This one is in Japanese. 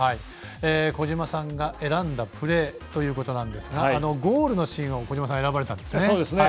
小島さんが選んだプレーということなんですがゴールのシーンを小島さん、選ばれたんですね。